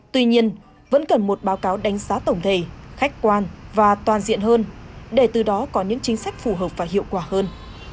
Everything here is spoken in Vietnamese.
tuy nhiên vẫn cần một báo cáo đánh giá tổng thể khách quan và toàn diện hơn để từ đó có những chính sách phù hợp và hiệu quả hơn